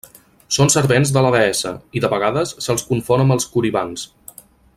Són servents de la deessa, i de vegades se'ls confon amb els Coribants.